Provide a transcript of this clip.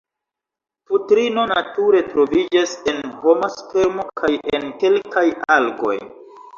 Putrino nature troviĝas en homa spermo kaj en kelkaj algoj.